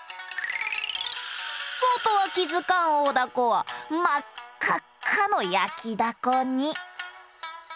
そうとは気づかん大だこは真っ赤っかの焼きだこに。